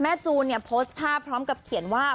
จูนเนี่ยโพสต์ภาพพร้อมกับเขียนว่า